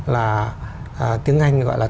là tiếng anh gọi là